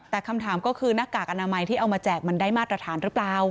แต่คำถามก็คือหน้ากากอนามัยที่เอามาแจกมันได้มาตรฐานหรือเปล่า